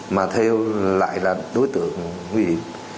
mà thêu lại là đối tượng nguy hiểm